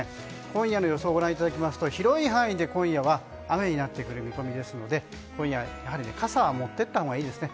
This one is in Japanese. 今夜の予想を見ると広い範囲で今夜は雨になってくる見込みですので今夜、傘は持っていったほうがいいですね。